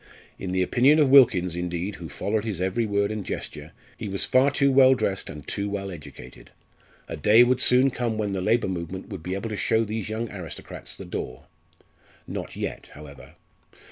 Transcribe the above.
In the opinion of Wilkins, indeed, who followed his every word and gesture, he was far too well dressed and too well educated. A day would soon come when the labour movement would be able to show these young aristocrats the door. Not yet, however.